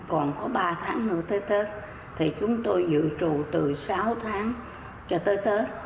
còn có ba tháng nữa tới tết thì chúng tôi dự trù từ sáu tháng cho tới tết